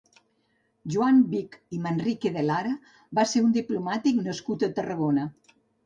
Joan Vich i Manrique de Lara va ser un diplomàtic nascut a Tarragona.